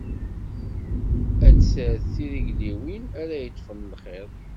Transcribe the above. Ad terr tirigliwin, ara yeṭfen lxiḍ.